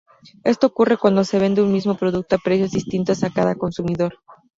Esto ocurre cuando se vende un mismo producto a precios distintos a cada consumidor.